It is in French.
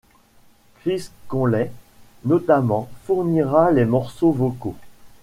Chris Conley, notamment, fournira les morceaux vocaux.